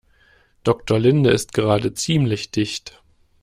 Doktor Linde ist gerade ziemlich dicht.